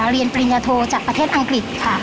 ปริญญาโทจากประเทศอังกฤษค่ะ